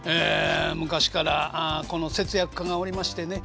昔からこの節約家がおりましてね